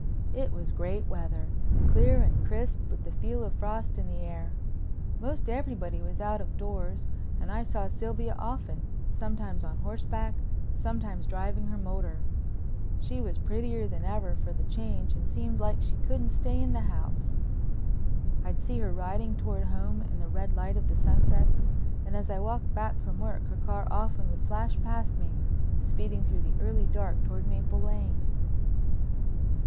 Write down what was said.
It was great weather, clear and crisp, with the feel of frost in the air. Most everybody was out of doors and I saw Sylvia often, sometimes on horseback, sometimes driving her motor. She was prettier than ever for the change and seemed like she couldn't stay in the house. I'd see her riding toward home in the red light of the sunset, and as I walked back from work her car often would flash past me, speeding through the early dark toward Maple Lane.